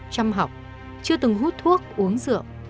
chăm học chưa từng hút thuốc uống rượu